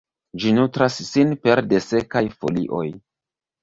Ĝi nutras sin pere de sekaj folioj.